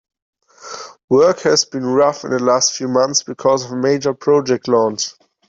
Work has been rough in the last few months because of a major project launch.